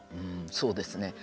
そうですね。